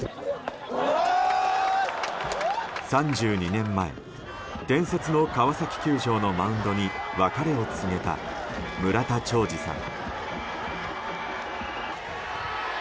３２年前伝説の川崎球場のマウンドに別れを告げた村田兆治さん。